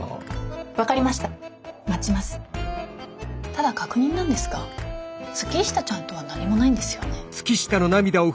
ただ確認なんですが月下ちゃんとは何もないんですよね？